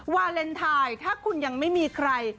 วาเลนไทยถ้าคุณยังไม่มีใคร